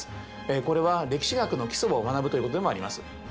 これは歴史学の基礎を学ぶということでもあります。